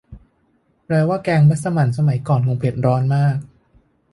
แปลว่าแกงมัสหมั่นสมัยก่อนคงเผ็ดร้อนมาก